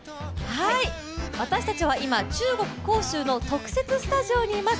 私たちは今、中国・杭州の特設スタジオにいます。